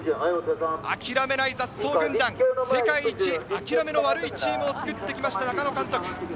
諦めない雑草軍団、世界一諦めの悪いチームを作ってきましたと中野監督。